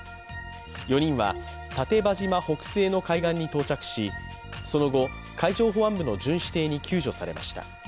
４人は竪場島北西の海岸に到着し、その後、海上保安部の巡視艇に救助されました。